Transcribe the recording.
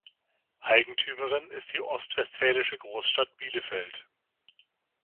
Eigentümerin ist die ostwestfälische Großstadt Bielefeld.